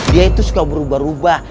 dia itu suka berubah ubah